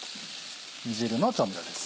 煮汁の調味料です